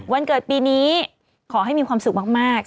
วันเกิดปีนี้ขอให้มีความสุขมาก